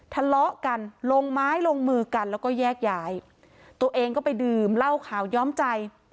ทะเลาะกันลงไม้ลงมือกันแล้วก็แยกย้ายตัวเองก็ไปดื่มเหล้าขาวย้อมใจ